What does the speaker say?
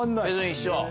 一緒。